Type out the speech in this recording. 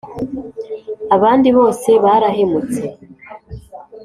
abandi bose barahemutse;